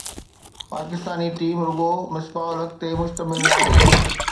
Pakistani team رڳو مصباح الحق تي مشتمل ناهي